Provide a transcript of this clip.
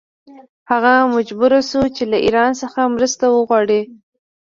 هغه مجبور شو چې له ایران څخه مرسته وغواړي.